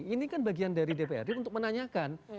ini kan bagian dari dprd untuk menanyakan